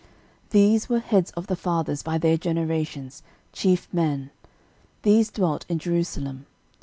13:008:028 These were heads of the fathers, by their generations, chief men. These dwelt in Jerusalem.